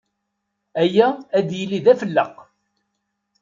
Aya ad yili d afelleq.